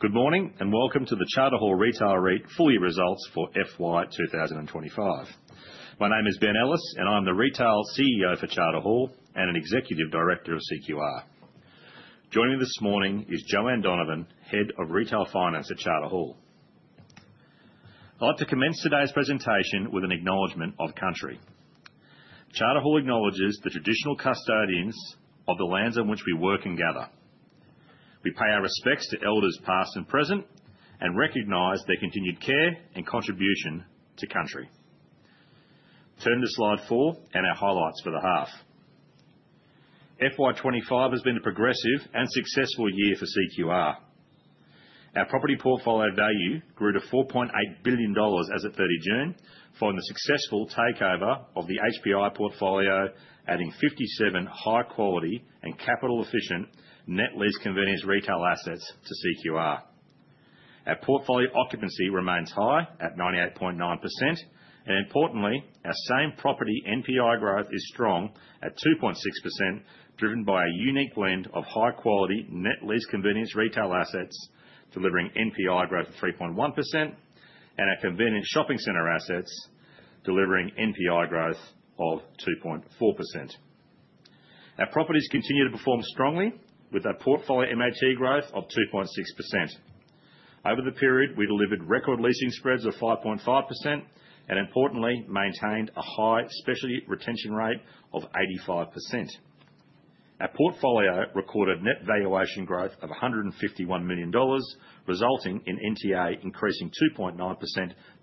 Good morning and welcome to the Charter Hall Retail REIT Full Year Results for FY 2025. My name is Ben Ellis, and I'm the Retail CEO for Charter Hall and an Executive Director of CQR. Joining me this morning is Joanne Donovan, Head of Retail Finance at Charter Hall. I'd like to commence today's presentation with an acknowledgement of Country. Charter Hall acknowledges the traditional custodians of the lands on which we work and gather. We pay our respects to elders past and present and recognize their continued care and contribution to Country. Turn to slide four and our highlights for the half. FY 2025 has been a progressive and successful year for CQR. Our property portfolio value grew to $4.8 billion as of [30th] June following the successful takeover of the HPI portfolio, adding 57 high-quality and capital-efficient net leased convenience retail assets to CQR. Our portfolio occupancy remains high at 98.9%, and importantly, our same property net property income growth is strong at 2.6%, driven by a unique blend of high-quality net leased convenience retail assets delivering net property income growth of 3.1% and our convenience shopping center assets delivering net property income growth of 2.4%. Our properties continue to perform strongly with our portfolio MAT growth of 2.6%. Over the period, we delivered record leasing spreads of 5.5% and, importantly, maintained a high specialty tenant retention rate of 85%. Our portfolio recorded net valuation growth of $151 million, resulting in net tangible assets increasing 2.9%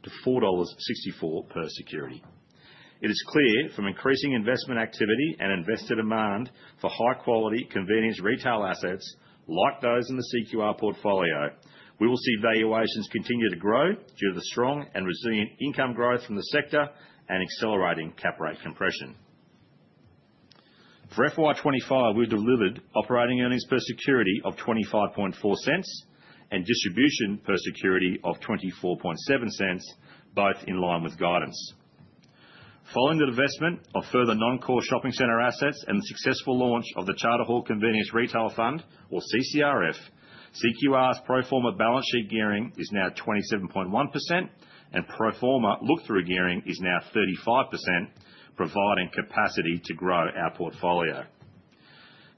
to $4.64 per security. It is clear from increasing investment activity and investor demand for high-quality convenience retail assets like those in the CQR portfolio, we will see valuations continue to grow due to the strong and resilient income growth from the sector and accelerating cap rate compression. For FY 2025, we delivered operating earnings per security of $25.04 and distribution per security of $24.07, both in line with guidance. Following the divestment of further non-core shopping center assets and the successful launch of the Charter Hall Convenience Retail Fund, or CCRF, CQR's proforma balance sheet gearing is now 27.1% and proforma look-through gearing is now 35%, providing capacity to grow our portfolio.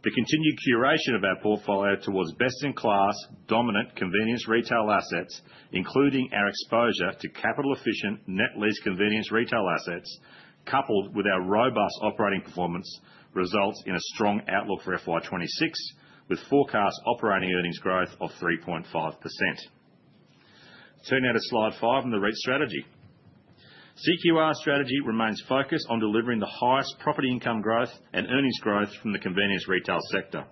The continued curation of our portfolio towards best-in-class dominant convenience retail assets, including our exposure to capital-efficient net leased convenience retail assets, coupled with our robust operating performance, results in a strong outlook for FY 2026, with forecast operating earnings growth of 3.5%. Turn now to slide five and the REIT strategy. CQR's strategy remains focused on delivering the highest property income growth and earnings growth from the convenience retail sector.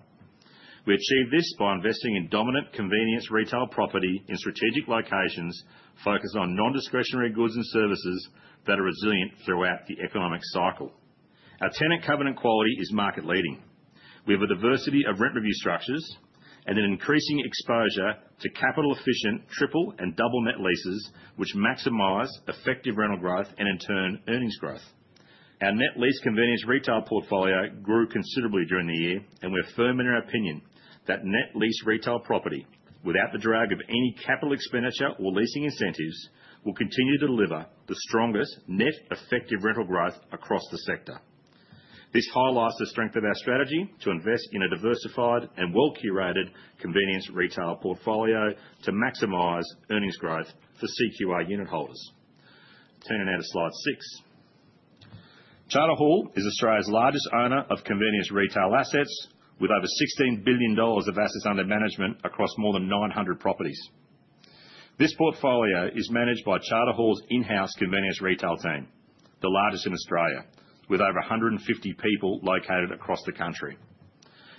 We achieve this by investing in dominant convenience retail property in strategic locations focused on non-discretionary goods and services that are resilient throughout the economic cycle. Our tenant covenant quality is market-leading. We have a diversity of rent review structures and an increasing exposure to capital-efficient triple and double net leases, which maximize effective rental growth and, in turn, earnings growth. Our net leased convenience retail portfolio grew considerably during the year, and we're firm in our opinion that net leased retail property, without the drag of any capital expenditure or leasing incentives, will continue to deliver the strongest net effective rental growth across the sector. This highlights the strength of our strategy to invest in a diversified and well-curated convenience retail portfolio to maximize earnings growth for CQR unit holders. Turning now to slide six. Charter Hall is Australia's largest owner of convenience retail assets, with over $16 billion of assets under management across more than 900 properties. This portfolio is managed by Charter Hall's in-house convenience retail team, the largest in Australia, with over 150 people located across the country.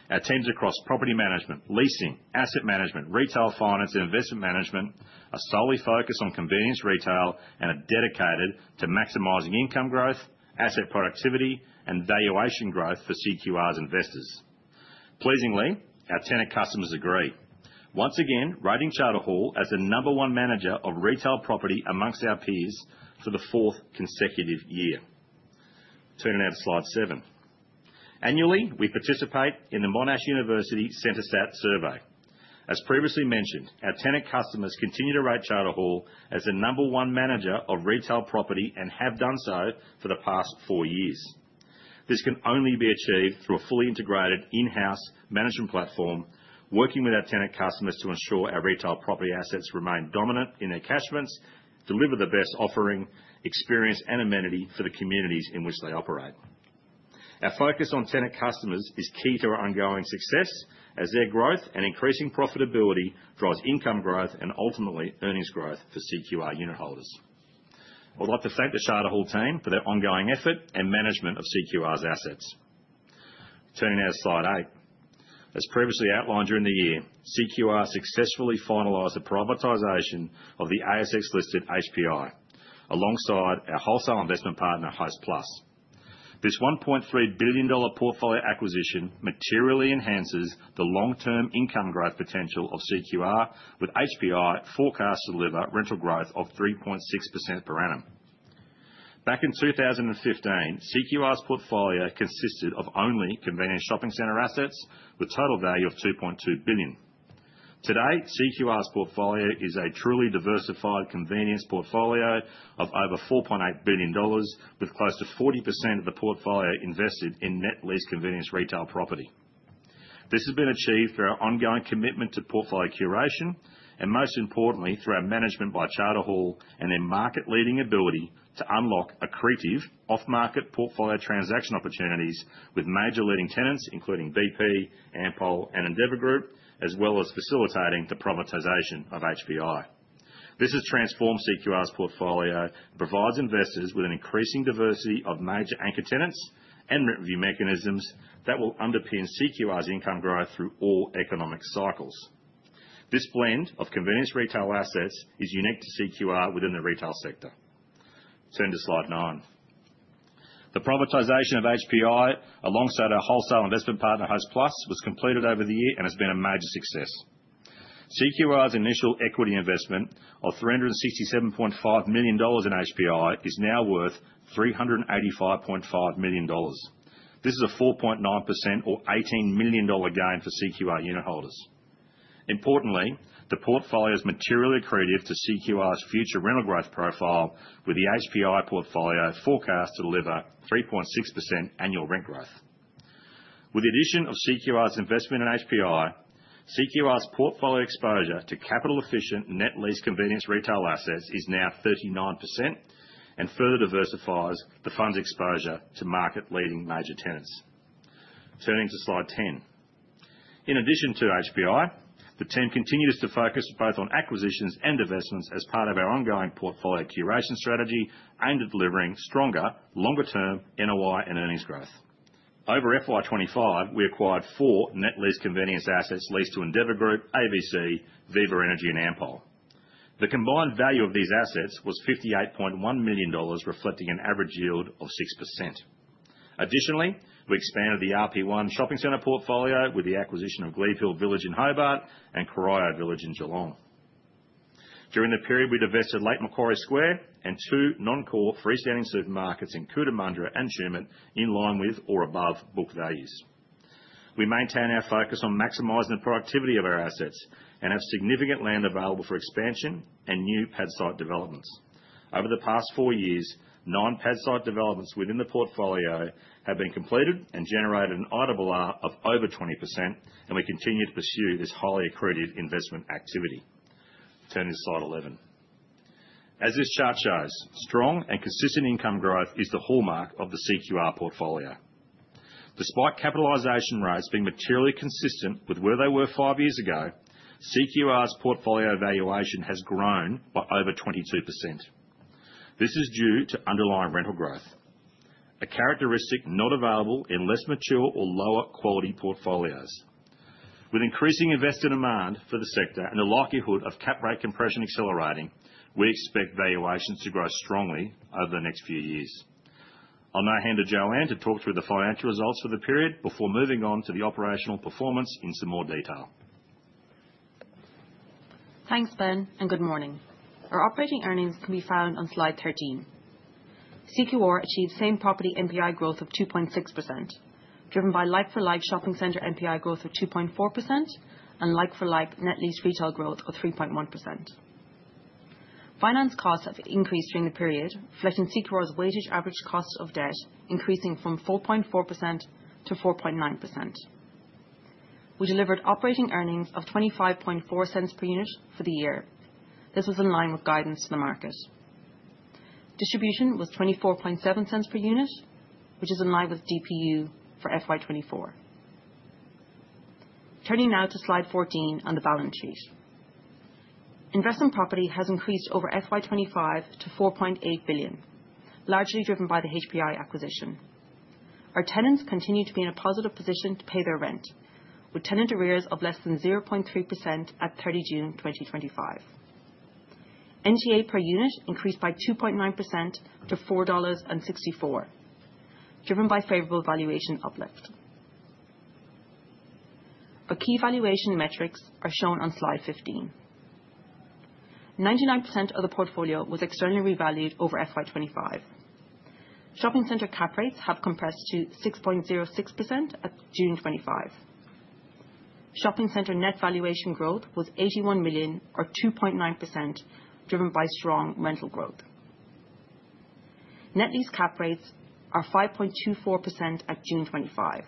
Our teams across property management, leasing, asset management, retail finance, and investment management are solely focused on convenience retail and are dedicated to maximizing income growth, asset productivity, and valuation growth for CQR's investors. Pleasingly, our tenant customers agree, once again rating Charter Hall as the number one manager of retail property amongst our peers for the fourth consecutive year. Turning now to slide seven. Annually, we participate in the Monash University Centersat survey. As previously mentioned, our tenant customers continue to rate Charter Hall as the number one manager of retail property and have done so for the past four years. This can only be achieved through a fully integrated in-house management platform, working with our tenant customers to ensure our retail property assets remain dominant in their catchments, deliver the best offering, experience, and amenity for the communities in which they operate. Our focus on tenant customers is key to our ongoing success, as their growth and increasing profitability drives income growth and, ultimately, earnings growth for CQR unit holders. I'd like to thank the Charter Hall team for their ongoing effort and management of CQR's assets. Turning now to slide eight. As previously outlined during the year, CQR successfully finalised the privatisation of the ASX-listed HPI alongside our wholesale investment partner, Hostplus. This $1.3 billion portfolio acquisition materially enhances the long-term income growth potential of CQR, with HPI forecast to deliver rental growth of 3.6% per annum. Back in 2015, CQR's portfolio consisted of only convenience shopping center assets with a total value of $2.2 billion. Today, CQR's portfolio is a truly diversified convenience portfolio of over $4.8 billion, with close to 40% of the portfolio invested in net-leased convenience retail property. This has been achieved through our ongoing commitment to portfolio curation and, most importantly, through our management by Charter Hall and their market-leading ability to unlock accretive off-market portfolio transaction opportunities with major leading tenants, including BP, Ampol, and Endeavour Group, as well as facilitating the privatisation of HPI. This has transformed CQR's portfolio and provides investors with an increasing diversity of major anchor tenants and rent review mechanisms that will underpin CQR's income growth through all economic cycles. This blend of convenience retail assets is unique to CQR within the retail sector. Turn to slide nine. The privatisation of HPI alongside our wholesale investment partner, Hostplus, was completed over the year and has been a major success. CQR's initial equity investment of $367.5 million in HPI is now worth $385.5 million. This is a 4.9% or $18 million gain for CQR unit holders. Importantly, the portfolio is materially accretive to CQR's future rental growth profile, with the HPI portfolio forecast to deliver 3.6% annual rent growth. With the addition of CQR's investment in HPI, CQR's portfolio exposure to capital-efficient net leased convenience retail assets is now 39% and further diversifies the fund's exposure to market-leading major tenants. Turning to slide 10. In addition to HPI, the team continues to focus both on acquisitions and divestments as part of our ongoing portfolio curation strategy aimed at delivering stronger, longer-term NOI and earnings growth. Over FY 2025, we acquired four net-leased convenience assets leased to Endeavour Group, ABC, Viva Energy, and Ampol. The combined value of these assets was $58.1 million, reflecting an average yield of 6%. Additionally, we expanded the RP1 shopping center portfolio with the acquisition of [Guilford] Village in Hobart and Corio Village in Geelong. During the period, we divested Lake Macquarie Square and two non-core freestanding supermarkets in Cootamundra and Sherman, in line with or above book values. We maintain our focus on maximizing the productivity of our assets and have significant land available for expansion and new pad site developments. Over the past four years, nine pad site developments within the portfolio have been completed and generated an [EBITDA] of over 20%, and we continue to pursue this highly accredited investment activity. Turning to slide 11. As this chart shows, strong and consistent income growth is the hallmark of the CQR portfolio. Despite capitalization rates being materially consistent with where they were five years ago, CQR's portfolio valuation has grown by over 22%. This is due to underlying rental growth, a characteristic not available in less mature or lower quality portfolios. With increasing investor demand for the sector and the likelihood of cap rate compression accelerating, we expect valuations to grow strongly over the next few years. I'll now hand to Joanne to talk through the financial results for the period before moving on to the operational performance in some more detail. Thanks, Ben, and good morning. Our operating earnings can be found on slide 13. CQR achieved same property NPI growth of 2.6%, driven by like-for-like shopping center NPI growth of 2.4% and like-for-like net leased retail growth of 3.1%. Finance costs have increased during the period, flattening CQR's weighted average cost of debt, increasing from 4.4% to 4.9%. We delivered operating earnings of $0.2504 per unit for the year. This was in line with guidance from the market. Distribution was $0.2407 per unit, which is in line with DPU for FY 2024. Turning now to slide 14 on the balance sheet. Investment property has increased over FY 2025 to $4.8 billion, largely driven by the HPI acquisition. Our tenants continue to be in a positive position to pay their rent, with tenant arrears of less than 0.3% at 30 June 2025. NTA per unit increased by 2.9% to $4.64, driven by favorable valuation uplift. Our key valuation metrics are shown on slide 15. 99% of the portfolio was externally revalued over FY 2025. Shopping center cap rates have compressed to 6.06% at June 2025. Shopping center net valuation growth was $81 million, or 2.9%, driven by strong rental growth. Net-leased cap rates are 5.24% at June 2025,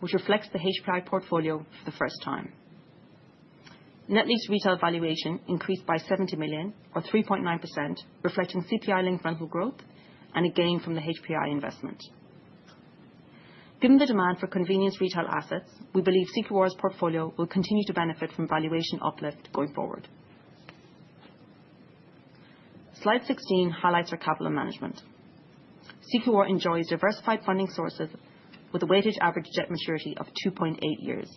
which reflects the HPI portfolio for the first time. Net-leased retail valuation increased by $70 million, or 3.9%, reflecting CPI-linked rental growth and a gain from the HPI investment. Given the demand for convenience retail assets, we believe CQR's portfolio will continue to benefit from valuation uplift going forward. Slide 16 highlights our capital management. CQR enjoys diversified funding sources with a weighted average debt maturity of 2.8 years.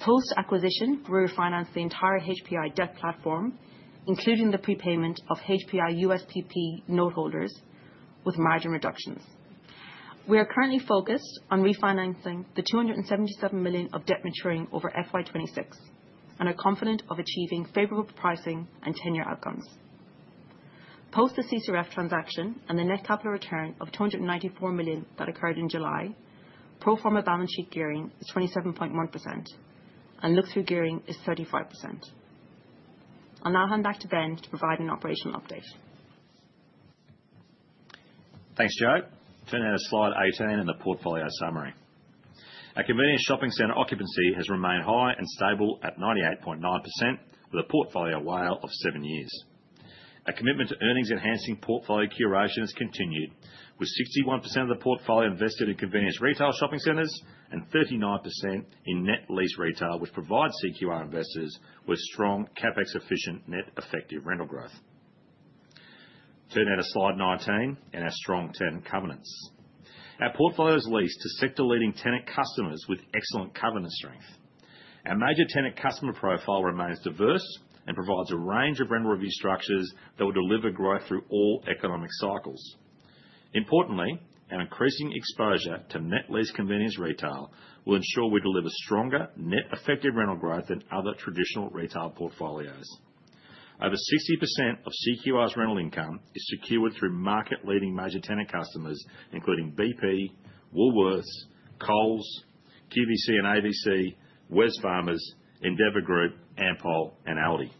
Post-acquisition, we refinanced the entire HPI debt platform, including the prepayment of HPI USPP noteholders, with margin reductions. We are currently focused on refinancing the $277 million of debt maturing over FY 2026 and are confident of achieving favorable pricing and tenure outcomes. Post the CCRF transaction and the net capital return of $294 million that occurred in July, proforma balance sheet gearing is 27.1% and look-through gearing is 35%. I'll now hand back to Ben to provide an operational update. Thanks, Joanne. Turning now to slide 18 and the portfolio summary. Our convenience shopping center occupancy has remained high and stable at 98.9% with a portfolio WALE of seven years. Our commitment to earnings-enhancing portfolio curation has continued, with 61% of the portfolio invested in convenience retail shopping centers and 39% in net leased retail, which provides CQR investors with strong CapEx-efficient net effective rental growth. Turning now to slide 19 and our strong tenant covenants. Our portfolio is leased to sector-leading tenant customers with excellent covenant strength. Our major tenant customer profile remains diverse and provides a range of rental review structures that will deliver growth through all economic cycles. Importantly, our increasing exposure to net leased convenience retail will ensure we deliver stronger net effective rental growth than other traditional retail portfolios. Over 60% of CQR's rental income is secured through market-leading major tenant customers, including BP, Woolworths, Coles, PVC ,ABC, Wesfarmers, Endeavour Group, Ampol, and ALDI.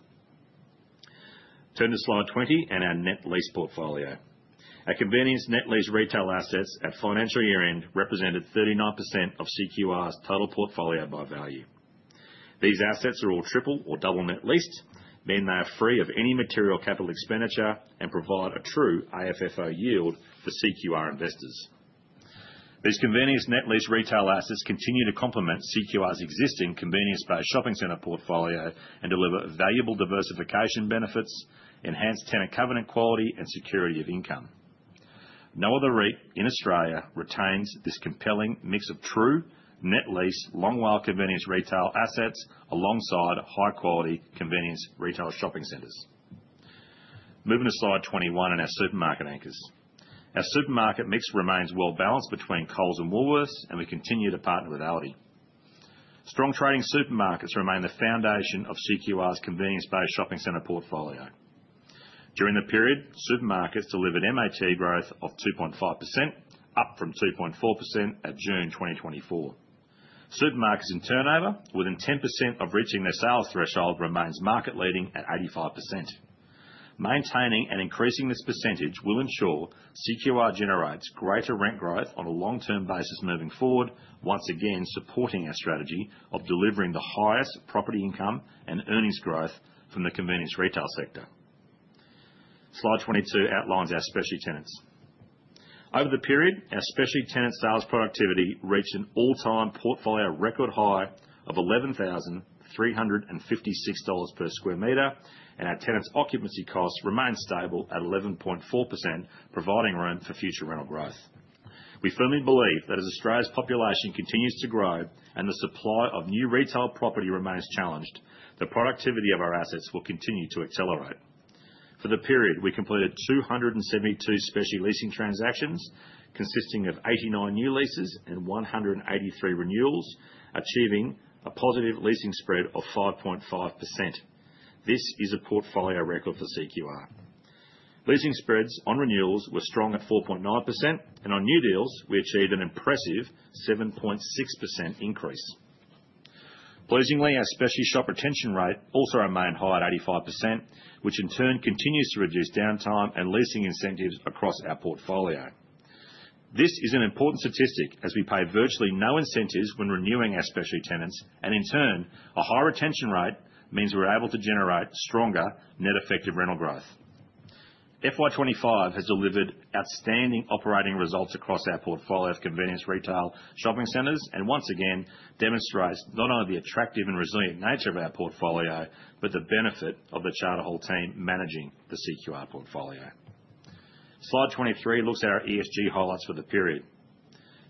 Turn to slide 20 and our net leased portfolio. Our convenience net leased retail assets at financial year end represented 39% of CQR's total portfolio by value. These assets are all triple or double net leased, meaning they are free of any material capital expenditure and provide a true IFFO yield for CQR investors. These convenience net leased retail assets continue to complement CQR's existing convenience-based shopping center portfolio and deliver valuable diversification benefits, enhanced tenant covenant quality, and security of income. No other REIT in Australia retains this compelling mix of true net leased long-WALE convenience retail assets alongside high-quality convenience retail shopping centers. Moving to slide 21 and our supermarket anchors. Our supermarket mix remains well balanced between Coles and Woolworths, and we continue to partner with ALDI. Strong trading supermarkets remain the foundation of CQR's convenience-based shopping center portfolio. During the period, supermarkets delivered MAT growth of 2.5%, up from 2.4% at June 2024. Supermarkets in turnover, within 10% of reaching their sales threshold, remain market-leading at 85%. Maintaining and increasing this percentage will ensure CQR generates greater rent growth on a long-term basis moving forward, once again supporting our strategy of delivering the highest property income and earnings growth from the convenience retail sector. Slide 22 outlines our specialty tenants. Over the period, our specialty tenant sales productivity reached an all-time portfolio record high of $11,356 per sq metre, and our tenants' occupancy costs remain stable at 11.4%, providing room for future rental growth. We firmly believe that as Australia's population continues to grow and the supply of new retail property remains challenged, the productivity of our assets will continue to accelerate. For the period, we completed 272 specialty leasing transactions, consisting of 89 new leases and 183 renewals, achieving a positive leasing spread of 5.5%. This is a portfolio record for CQR. Leasing spreads on renewals were strong at 4.9%, and on new deals, we achieved an impressive 7.6% increase. Pleasingly, our specialty shop retention rate also remained high at 85%, which in turn continues to reduce downtime and leasing incentives across our portfolio. This is an important statistic as we pay virtually no incentives when renewing our specialty tenants, and in turn, a high retention rate means we're able to generate stronger net effective rental growth. FY 2025 has delivered outstanding operating results across our portfolio of convenience retail shopping centers and once again demonstrates not only the attractive and resilient nature of our portfolio, but the benefit of the Charter Hall team managing the CQR portfolio. Slide 23 looks at our ESG highlights for the period.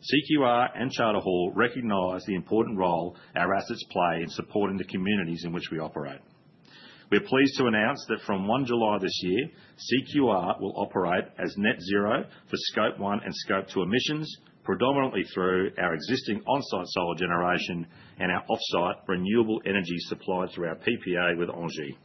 CQR and Charter Hall recognize the important role our assets play in supporting the communities in which we operate. We're pleased to announce that from 1 July this year, CQR will operate as net zero for Scope 1 and 2 emissions, predominantly through our existing onsite solar generation and our offsite renewable energy supplied through our PPA with [OnG].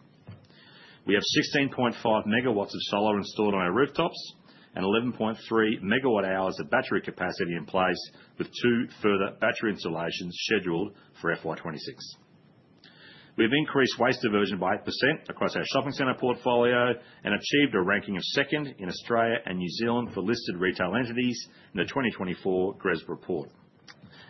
We have 16.5 MW of solar installed on our rooftops and 11.3 MWh of battery capacity in place, with two further battery installations scheduled for FY 2026. We've increased waste diversion by 8% across our shopping center portfolio and achieved a ranking of second in Australia and New Zealand for listed retail entities in the 2024 GRESB report.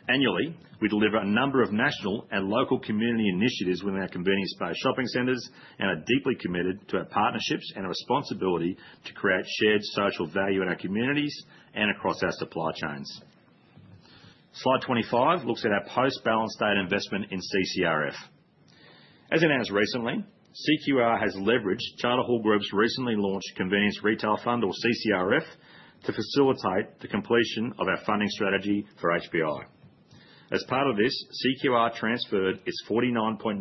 Annually, we deliver a number of national and local community initiatives within our convenience-based shopping centers and are deeply committed to our partnerships and our responsibility to create shared social value in our communities and across our supply chains. Slide 25 looks at our post-balance date investment in CCRF. As announced recently, CQR has leveraged Charter Hall Group's recently launched Convenience Retail Fund, or CCRF, to facilitate the completion of our funding strategy for HPI. As part of this, CQR transferred its 49.9%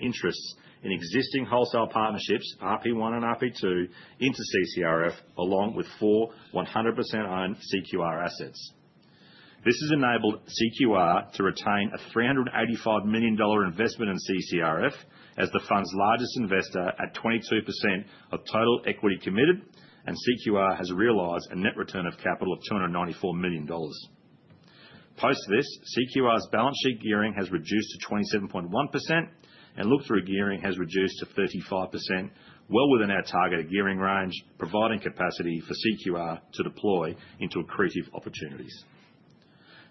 interest in existing wholesale partnerships, RP1 and RP2, into CCRF, along with four 100% owned CQR assets. This has enabled CQR to retain a $385 million investment in CCRF as the fund's largest investor at 22% of total equity committed, and CQR has realized a net return of capital of $294 million. Post this, CQR's balance sheet gearing has reduced to 27.1% and look-through gearing has reduced to 35%, well within our target gearing range, providing capacity for CQR to deploy into accretive opportunities.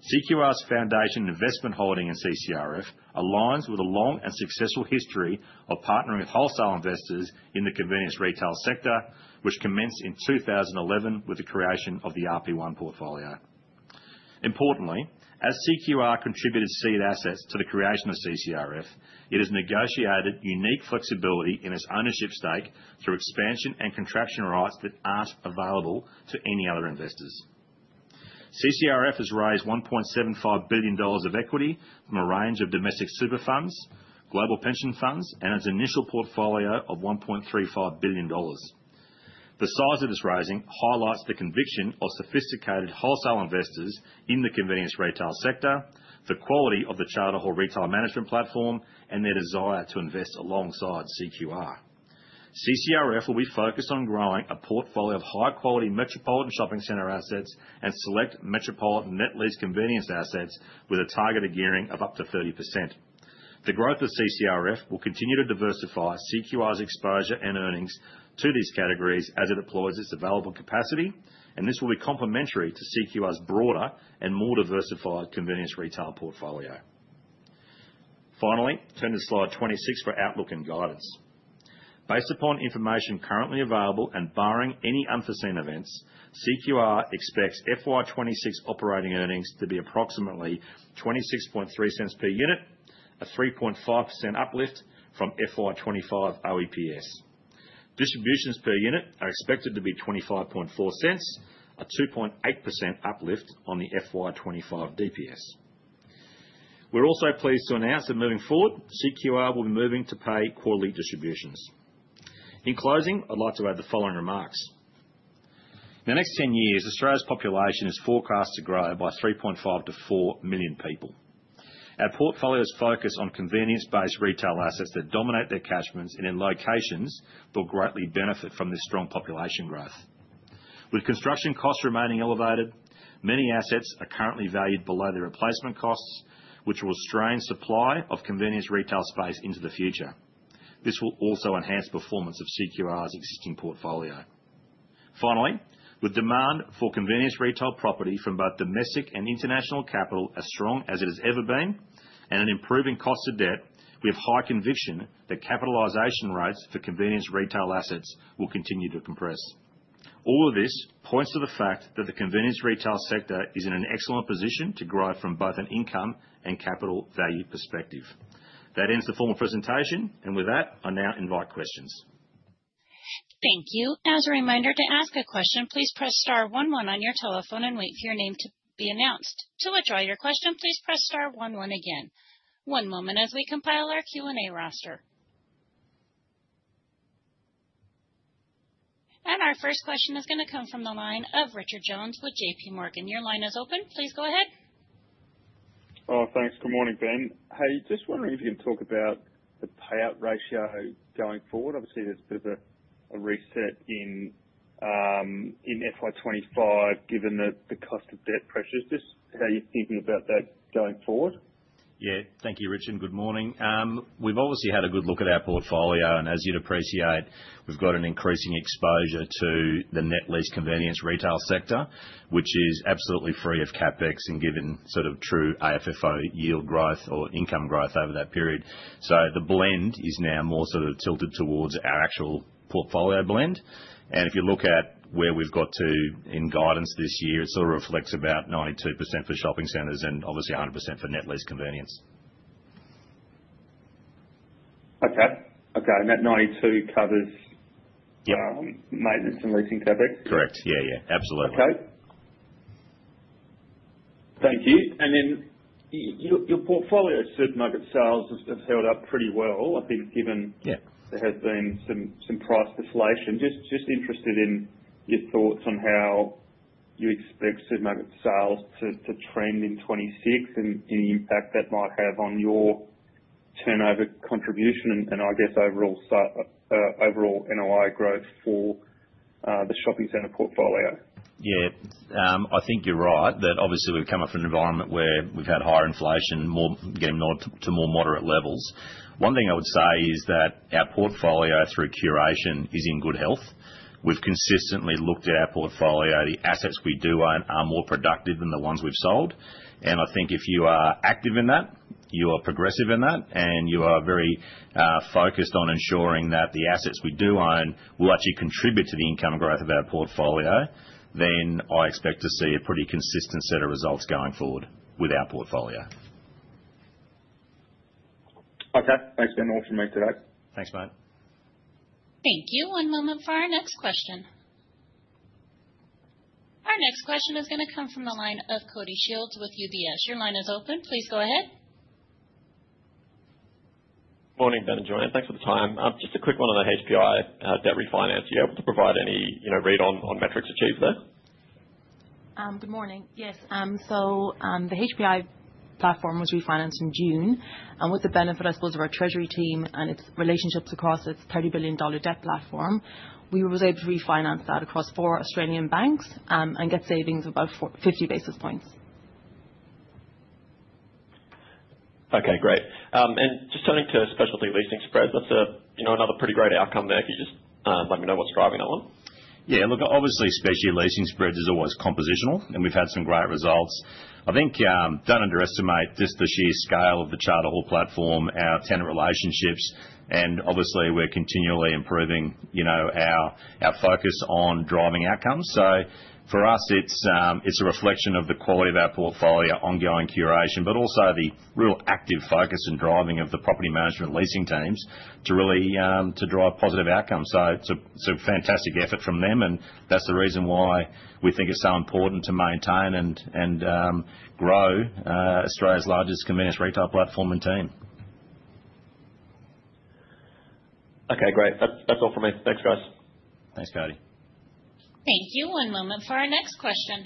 CQR's foundation investment holding in CCRF aligns with a long and successful history of partnering with wholesale investors in the convenience retail sector, which commenced in 2011 with the creation of the RP1 portfolio. Importantly, as CQR contributed seed assets to the creation of CCRF, it has negotiated unique flexibility in its ownership stake through expansion and contraction rights that aren't available to any other investors. CCRF has raised $1.75 billion of equity from a range of domestic super funds, global pension funds, and its initial portfolio of $1.35 billion. The size of this raising highlights the conviction of sophisticated wholesale investors in the convenience retail sector, the quality of the Charter Hall Retail Management Platform, and their desire to invest alongside CQR. CCRF will be focused on growing a portfolio of high-quality metropolitan shopping center assets and select metropolitan net leased convenience assets with a targeted gearing of up to 30%. The growth of CCRF will continue to diversify CQR's exposure and earnings to these categories as it deploys its available capacity, and this will be complementary to CQR's broader and more diversified convenience retail portfolio. Finally, turn to slide 26 for outlook and guidance. Based upon information currently available and barring any unforeseen events, CQR expects FY 2026 operating earnings to be approximately $26.03 per unit, a 3.5% uplift from FY 20 2025 OEPS. Distributions per unit are expected to be $25.04, a 2.8% uplift on the FY 2025 DPS. We're also pleased to announce that moving forward, CQR will be moving to pay quarterly distributions. In closing, I'd like to add the following remarks. In the next 10 years, Australia's population is forecast to grow by 3.5-4 million people. Our portfolios focus on convenience-based retail assets that dominate their catchments and in locations that will greatly benefit from this strong population growth. With construction costs remaining elevated, many assets are currently valued below their replacement costs, which will strain supply of convenience retail space into the future. This will also enhance the performance of CQR's existing portfolio. Finally, with demand for convenience retail property from both domestic and international capital as strong as it has ever been and an improving cost of debt, we have high conviction that capitalisation rates for convenience retail assets will continue to compress. All of this points to the fact that the convenience retail sector is in an excellent position to grow from both an income and capital value perspective. That ends the formal presentation, and with that, I now invite questions. Thank you. As a reminder, to ask a question, please press star one-one on your telephone and wait for your name to be announced. To withdraw your question, please press star one-one again. One moment as we compile our Q&A roster. Our first question is going to come from the line of Richard Jones with JPMorgan. Your line is open. Please go ahead. Thanks. Good morning, Ben. Hey, just wondering if you can talk about the payout ratio going forward. Obviously, there's a bit of a reset in FY 2025 given the cost of debt pressures. Just how you're thinking about that going forward. Thank you, Richard. Good morning. We've obviously had a good look at our portfolio, and as you'd appreciate, we've got an increasing exposure to the net leased convenience retail sector, which is absolutely free of CapEx and given sort of true IFFO yield growth or income growth over that period. The blend is now more sort of tilted towards our actual portfolio blend. If you look at where we've got to in guidance this year, it reflects about 92% for shopping centers and obviously 100% for net leased convenience. Okay. Okay. That [92%] covers maintenance and leasing CapEx? Correct. Yeah, absolutely. Okay. Thank you. Your portfolio supermarket sales have held up pretty well, I think, given there has been some price deflation. Just interested in your thoughts on how you expect supermarket sales to trend in 2026 and any impact that might have on your turnover contribution and, I guess, overall NOI growth for the shopping center portfolio. Yeah, I think you're right that obviously we've come up from an environment where we've had higher inflation getting to more moderate levels. One thing I would say is that our portfolio through curation is in good health. We've consistently looked at our portfolio. The assets we do own are more productive than the ones we've sold. I think if you are active in that, you are progressive in that, and you are very focused on ensuring that the assets we do own will actually contribute to the income growth of our portfolio, then I expect to see a pretty consistent set of results going forward with our portfolio. Okay. Thanks, Ben. Awesome to be here today. Thanks, mate. Thank you. One moment for our next question. Our next question is going to come from the line of Cody Shields with UBS. Your line is open. Please go ahead. Morning, Ben and Joanne. Thanks for the time. Just a quick one on the HPI debt refinance. Are you able to provide any read on metrics achieved there? Good morning. Yes. The HPI platform was refinanced in June. With the benefit of our treasury team and its relationships across its $30 billion debt platform, we were able to refinance that across four Australian banks and get savings of about 50 basis points. Okay, great. Just turning to specialty leasing spreads, that's another pretty great outcome there. Could you just let me know what's driving that one? Yeah, look, obviously, specialty leasing spreads is always compositional, and we've had some great results. I think don't underestimate just the sheer scale of the Charter Hall platform, our tenant relationships, and obviously, we're continually improving our focus on driving outcomes. For us, it's a reflection of the quality of our portfolio, ongoing curation, but also the real active focus and driving of the property management leasing teams to really drive positive outcomes. It's a fantastic effort from them, and that's the reason why we think it's so important to maintain and grow Australia's largest convenience retail platform and team. Okay, great. That's all from me. Thanks, guys. Thanks, Cody. Thank you. One moment for our next question.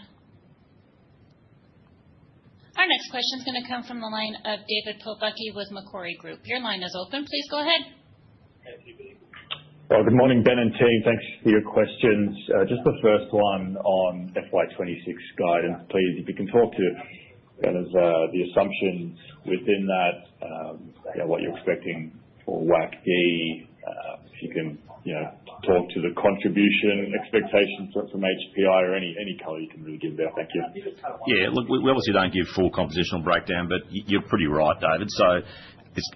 Our next question is going to come from the line of David Poblete with Macquarie Group. Your line is open. Please go ahead. Good morning, Ben and team. Thanks for your questions. Just the first one on FY 2026 guidance. Please, if you can talk to kind of the assumptions within that, what you're expecting for WAPD. If you can talk to the contribution expectation from HPI or any color you can really give there. Thank you. Yeah, look, we obviously don't give full compositional breakdown, but you're pretty right, David.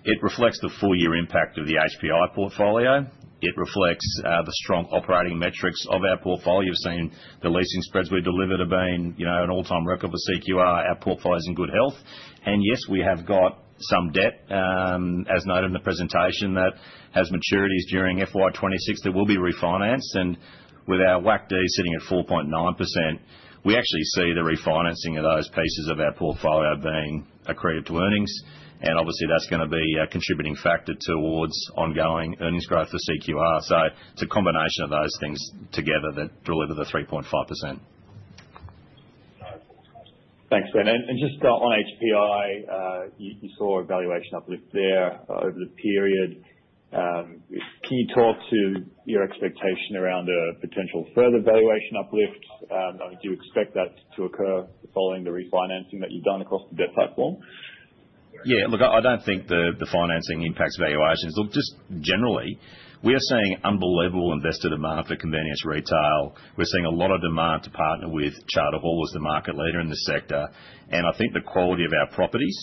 It reflects the four-year impact of the HPI portfolio. It reflects the strong operating metrics of our portfolio. You've seen the leasing spreads we delivered have been an all-time record for CQR. Our portfolio is in good health. Yes, we have got some debt, as noted in the presentation, that has maturities during FY 2026 that will be refinanced. With our WAPD sitting at 4.9%, we actually see the refinancing of those pieces of our portfolio being accredited to earnings. Obviously, that's going to be a contributing factor towards ongoing earnings growth for CQR. It's a combination of those things together that deliver the 3.5%. Thanks, Ben. Just on HPI, you saw a valuation uplift there over the period. Can you talk to your expectation around a potential further valuation uplift? Do you expect that to occur following the refinancing that you've done across the debt platform? Yeah, look, I don't think the financing impacts valuations. Just generally, we are seeing unbelievable investor demand for convenience retail. We're seeing a lot of demand to partner with Charter Hall as the market leader in the sector. I think the quality of our properties,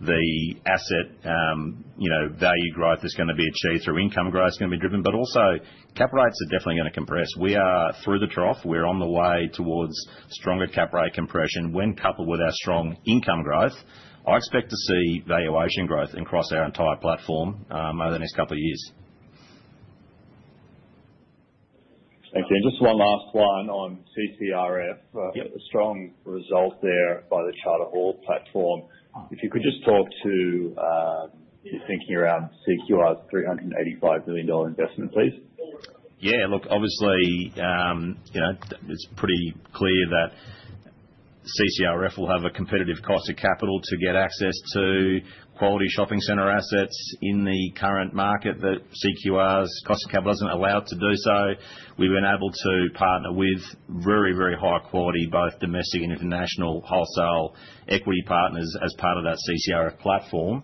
the asset value growth that's going to be achieved through income growth is going to be driven, but also cap rates are definitely going to compress. We are through the trough. We're on the way towards stronger cap rate compression when coupled with our strong income growth. I expect to see valuation growth across our entire platform over the next couple of years. Thanks, Ben. Just one last one on CCRF. A strong result there by the Charter Hall platform. If you could just talk to your thinking around CQR's $385 million investment, please. Yeah, look, obviously, you know it's pretty clear that CCRF will have a competitive cost of capital to get access to quality shopping center assets in the current market that CQR's cost of capital isn't allowed to do. We've been able to partner with very, very high-quality, both domestic and international wholesale equity partners as part of that CCRF platform.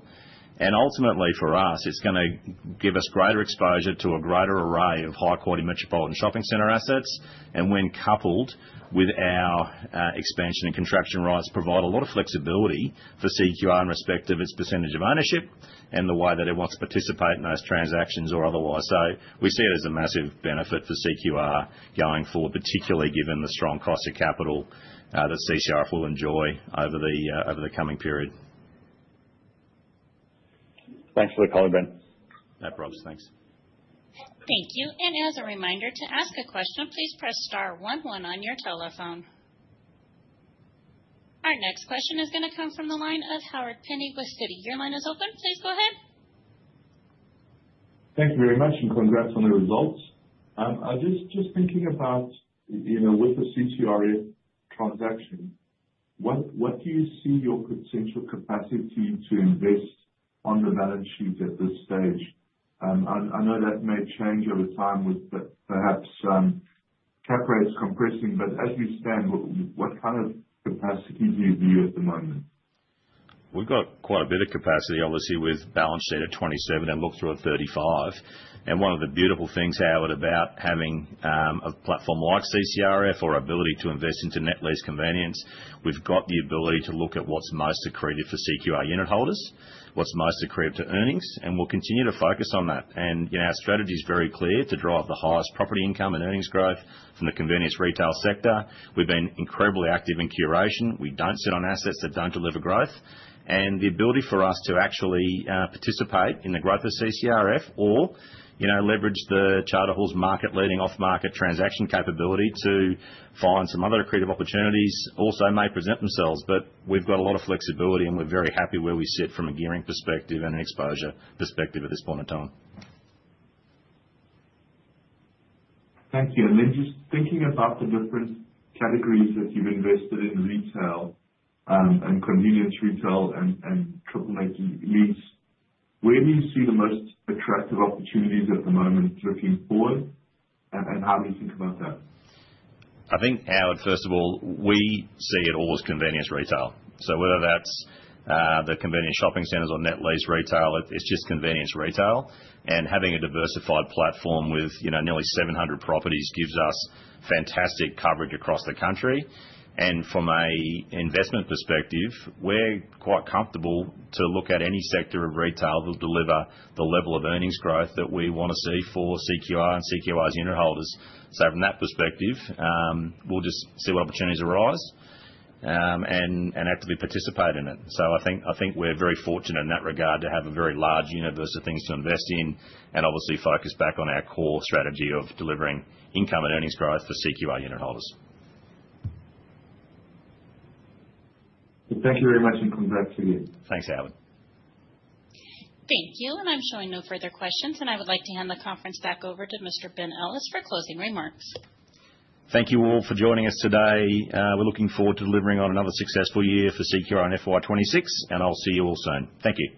Ultimately, for us, it's going to give us greater exposure to a greater array of high-quality metropolitan shopping center assets. When coupled with our expansion and contraction rights, it provides a lot of flexibility for CQR in respect of its percentage of ownership and the way that it wants to participate in those transactions or otherwise. We see it as a massive benefit for CQR going forward, particularly given the strong cost of capital that CCRF will enjoy over the coming period. Thanks for the call, Ben. No problems. Thanks. Thank you. As a reminder, to ask a question, please press star one-one on your telephone. Our next question is going to come from the line of Howard Penny with Citi. Your line is open. Please go ahead. Thank you very much and congrats on the results. I'm just thinking about, with the CCRF transaction, what do you see your potential capacity to invest on the balance sheet at this stage? I know that may change over time with perhaps cap rates compressing, but as we stand, what kind of capacity do you view at the moment? We've got quite a bit of capacity, obviously, with balance data 27 and look-through of 35. One of the beautiful things, Howard, about having a platform like CCRF or ability to invest into net leased convenience, we've got the ability to look at what's most accretive for CQR unit holders, what's most accretive to earnings, and we'll continue to focus on that. Our strategy is very clear to drive the highest property income and earnings growth from the convenience retail sector. We've been incredibly active in curation. We don't sit on assets that don't deliver growth. The ability for us to actually participate in the growth of CCRF or leverage Charter Hall's market-leading off-market transaction capability to find some other accretive opportunities also may present themselves. We've got a lot of flexibility, and we're very happy where we sit from a gearing perspective and an exposure perspective at this point in time. Thank you. Just thinking about the different categories that you've invested in, retail and convenience retail and supplemental units, where do you see the most attractive opportunities at the moment looking forward? How do you think about that? I think, Howard, first of all, we see it all as convenience retail. Whether that's the convenience shopping centers or net leased retail, it's just convenience retail. Having a diversified platform with nearly 700 properties gives us fantastic coverage across the country. From an investment perspective, we're quite comfortable to look at any sector of retail that will deliver the level of earnings growth that we want to see for CQR and CQR's unit holders. From that perspective, we'll just see what opportunities arise and have to be participating in it. I think we're very fortunate in that regard to have a very large universe of things to invest in and obviously focus back on our core strategy of delivering income and earnings growth for CQR unit holders. Thank you very much and congrats again. Thanks, Howard. Thank you. I'm showing no further questions, and I would like to hand the conference back over to Mr. Ben Ellis for closing remarks. Thank you all for joining us today. We're looking forward to delivering on another successful year for CQR in FY 2026, and I'll see you all soon. Thank you.